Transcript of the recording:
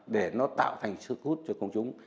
để nó tạo thành sức hút cho công chúng